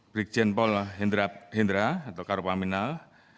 brigjen paul hindra atau karopaminal